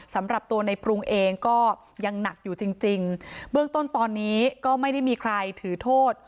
สำหรับตัวในปรุงเองก็ยังหนักอยู่จริงจริงเบื้องต้นตอนนี้ก็ไม่ได้มีใครถือโทษ